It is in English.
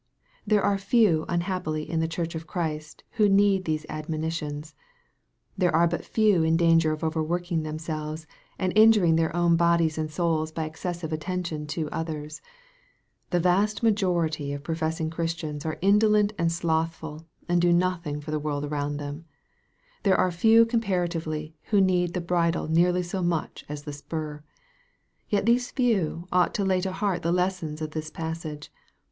There are few unhappily in the church of Christ, who need these admonitions. There are but few in danger of overworking themselves, and injuring their own bodies and souls by excessive attention to others. The vast majority of professing Christians are indolent and sloth ful, and do nothing for the world around them. There are few comparatively who need the bridle nearly so much as the spur. Yet these few ought to lay to heart the lessons of this passage.